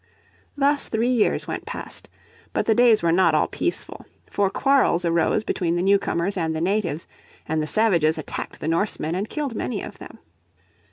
Thus three years went past. But the days were not all peaceful. For quarrels arose between the newcomers and the natives, and the savages attacked the Norsemen and killed many of them.